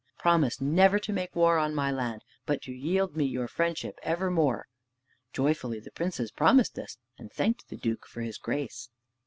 Promise never to make war on my land, but to yield me your friendship evermore." Joyfully the princes promised this, and thanked the Duke for his grace.